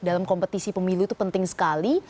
dalam kompetisi pemilu itu penting sekali